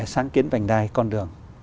sáng kiến vành đai con đường